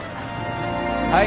はい。